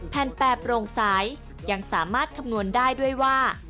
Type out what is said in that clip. แผ่นแปรบโรงสายยังสามารถคำนวณได้ด้วยว่า